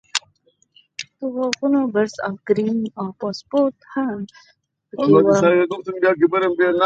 د غاښونو برس او کریم او پاسپورټ هم په کې وو.